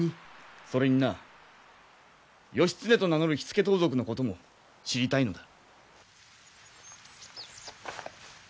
それにな義経と名乗る火付け盗賊のことも知りたいのだ。